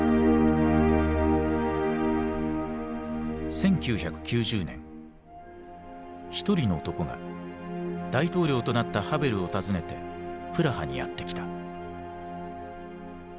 １９９０年一人の男が大統領となったハヴェルを訪ねてプラハにやって来た。